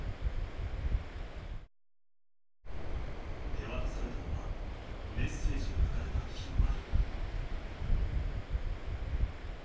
手渡されたのはメッセージが書かれた日の丸。